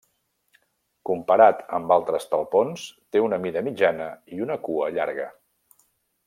Comparat amb altres talpons, té una mida mitjana i una cua llarga.